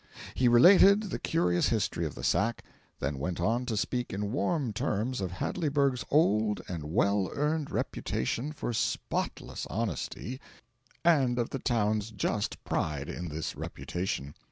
He related the curious history of the sack, then went on to speak in warm terms of Hadleyburg's old and well earned reputation for spotless honesty, and of the town's just pride in this reputation.